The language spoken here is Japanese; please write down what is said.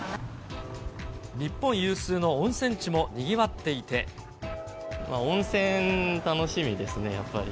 日本有数の温泉地もにぎわっ温泉楽しみですね、やっぱり。